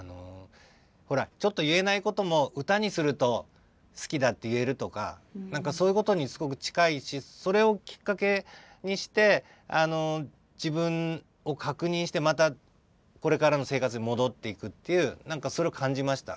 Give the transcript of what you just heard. ほらちょっと言えないことも歌にすると「好きだ」って言えるとか何かそういうことにすごく近いしそれをきっかけにして自分を確認してまたこれからの生活に戻っていくっていう何かそれを感じました。